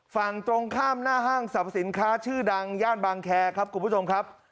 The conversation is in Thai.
ฝั่งตรงข้ามหน้าห้างสรรพสินค้าชื่อดังย่านบางแคร์ครับคุณผู้ชมครับ